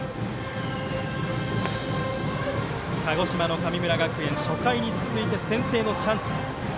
鹿児島の神村学園初回に続いて先制のチャンス。